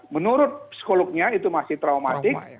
menurut psikolognya itu masih traumatik